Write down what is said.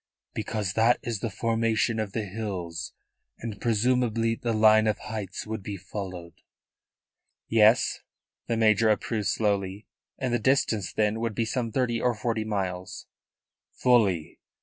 "Because that is the formation of the hills, and presumably the line of heights would be followed." "Yes," the major approved slowly. "And the distance, then, would be some thirty or forty miles?" "Fully."